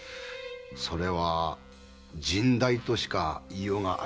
それは甚大としか言いようがありますまい。